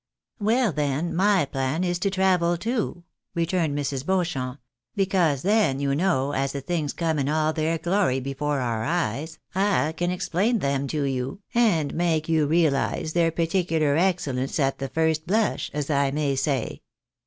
" Well then, my plan is to travel too," returned Mrs. Beau champ ;" because then, you know, as the things come in all their glory before our eyes, I can explain them to you, and make you realise their particular excellence at the first blush, as I may say.